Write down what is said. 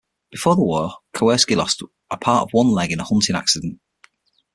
Before the war Kowerski lost a part of one leg in a hunting accident.